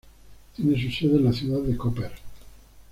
Tiene su sede en la ciudad de Koper.